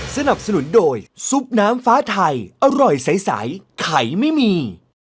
สนับสนุนโดยซุปน้ำฟ้าไทยอร่อยใสไข่ไม่มี